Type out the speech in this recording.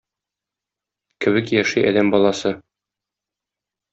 Кебек яши адәм баласы?